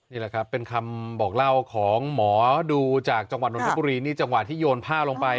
นี่แหละครับเป็นคำบอกเล่าของหมอดูจากจังหวัดนทบุรีนี่จังหวะที่โยนผ้าลงไป